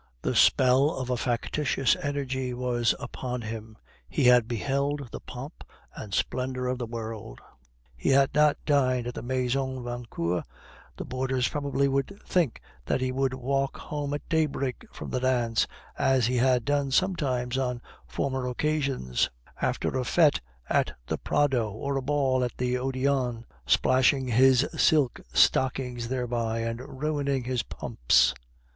The spell of a factitious energy was upon him; he had beheld the pomp and splendor of the world. He had not dined at the Maison Vauquer; the boarders probably would think that he would walk home at daybreak from the dance, as he had done sometimes on former occasions, after a fete at the Prado, or a ball at the Odeon, splashing his silk stockings thereby, and ruining his pumps.